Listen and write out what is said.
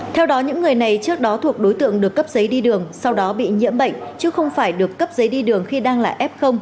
theo đó những người này trước đó thuộc đối tượng được cấp giấy đi đường sau đó bị nhiễm bệnh chứ không phải được cấp giấy đi đường khi đang là f